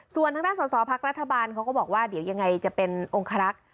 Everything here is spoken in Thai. ส่วนทางด้านสอสอพักรัฐบาลเขาก็บอกว่าเดี๋ยวยังไงจะเป็นองคารักษ์